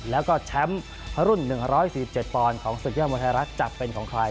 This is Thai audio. แล้วก็แชมป์รุ่น๑๔๗ปอนด์ของศึกยอดมวยไทยรัฐจะเป็นของใคร